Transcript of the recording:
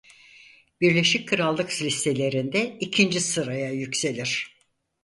Birleşik Krallık listelerinde ikinci sıraya yükselir.